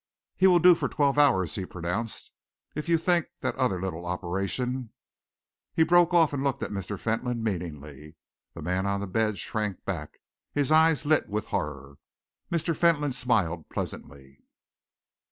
"He will do for twelve hours," he pronounced. "If you think that other little operation " He broke off and looked at Mr. Fentolin meaningly. The man on the bed shrank back, his eyes lit with horror. Mr. Fentolin smiled pleasantly.